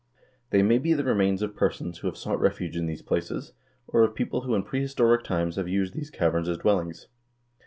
They may be the remains of persons who have sought refuge in these places, or of people who in prehistoric times have used these caverns as dwellings.